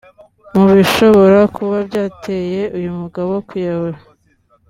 Mu bishobora kuba byateye uyu mugabo kwiyahura